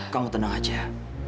kamu tenang aja